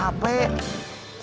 udah punya uang sama hp